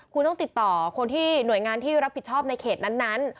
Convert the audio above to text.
คุณต้องติดต่อคนที่หน่วยงานที่รับผิดชอบในเขตนั้น